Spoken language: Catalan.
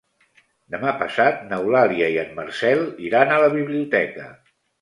Demà passat n'Eulàlia i en Marcel iran a la biblioteca.